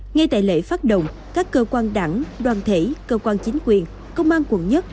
ngay tại lễ phát động các cơ quan đảng đoàn thể cơ quan chính quyền công an quận một